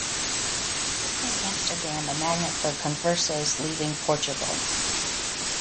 This made Amsterdam a magnet for conversos leaving Portugal.